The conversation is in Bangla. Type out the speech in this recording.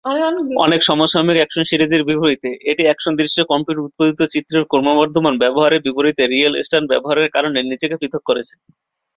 অনেক সমসাময়িক অ্যাকশন সিরিজের বিপরীতে, এটি অ্যাকশন দৃশ্যে কম্পিউটার-উৎপাদিত চিত্রের ক্রমবর্ধমান ব্যবহারের বিপরীতে রিয়েল স্টান্ট ব্যবহারের কারণে নিজেকে পৃথক করেছে।